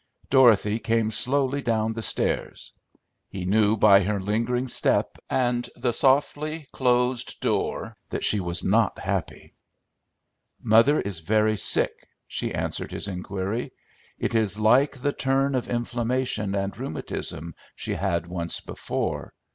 Dorothy came slowly down the stairs; he knew by her lingering step and the softly closed door that she was not happy. "Mother is very sick," she answered his inquiry. "It is like the turn of inflammation and rheumatism she had once before.